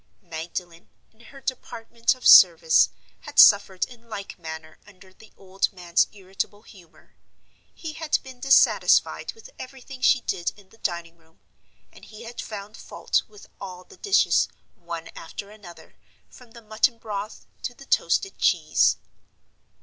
Magdalen, in her department of service, had suffered in like manner under the old man's irritable humor: he had been dissatisfied with everything she did in the dining room; and he had found fault with all the dishes, one after another, from the mutton broth to the toasted cheese.